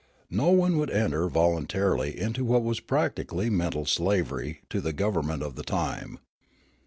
No one would enter volun tarily into what was practically mental slavery to the government of the time.